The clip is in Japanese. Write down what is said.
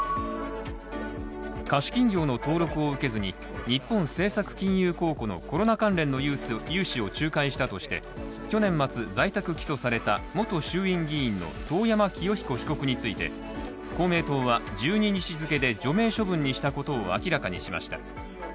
貸金業の登録を受けずに、日本政策金融公庫のコロナ関連の融資を仲介したとして、去年末、在宅起訴された元衆院議員の遠山清彦被告について公明党は１２日付で除名処分にしたことを明らかにしました。